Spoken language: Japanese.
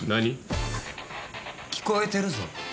聞こえてるぞ。